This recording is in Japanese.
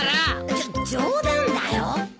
じょ冗談だよ。